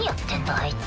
あいつ。